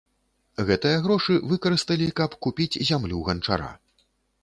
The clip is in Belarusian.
Гэтыя грошы выкарысталі, каб купіць зямлю ганчара.